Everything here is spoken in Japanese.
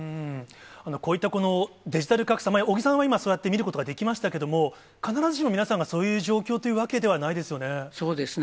こういったデジタル格差、尾木さんは今、そうやって見ることができましたけれども、必ずしも皆さんがそういう状況というわけではないですよね。